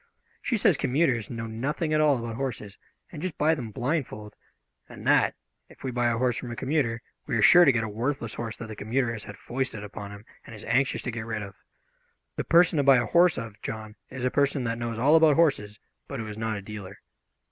She says commuters know nothing at all about horses and just buy them blindfold, and that, if we buy a horse from a commuter, we are sure to get a worthless horse that the commuter has had foisted upon him and is anxious to get rid of. The person to buy a horse of, John, is a person that knows all about horses, but who is not a dealer."